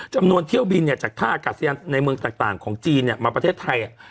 จำนวนเที่ยวบินเนี่ยจากท่าอากาศยานในเมืองต่างของจีนเนี่ยมาประเทศไทย